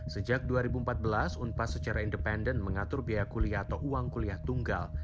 sejak dua ribu empat belas unpas secara independen mengatur biaya kuliah atau uang kuliah tunggal